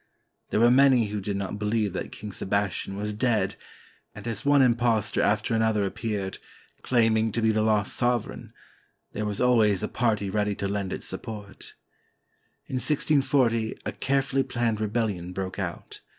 There were many who did not believe that King Sebastian was dead, and as one impostor after another appeared, claiming to be the lost sov ereign, there was always a party ready to lend its support. In 1640, a carefully planned rebellion broke out.